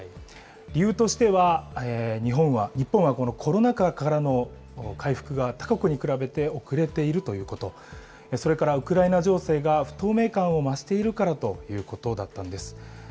理由としては、日本はコロナ禍からの回復が他国に比べて遅れているということ、それからウクライナ情勢が不透明感を増しているからということだったんです。